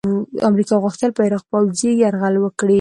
امریکا غوښتل په عراق پوځي یرغل وکړي.